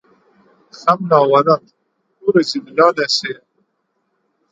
Xemla Welêt îro li Laleşê ye.